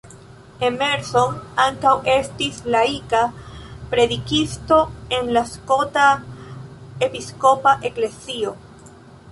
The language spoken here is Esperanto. Emerson ankaŭ estis laika predikisto en la Skota Episkopa Eklezio.